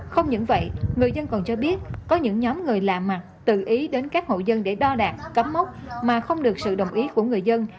không những vậy người dân còn cho biết có những nhóm người lạ mặt tự ý đến các hộ dân để đo đạc cắm mốc mà không được sự đồng ý của người dân